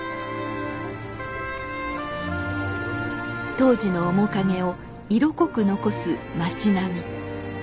当時の面影を色濃く残す町並み。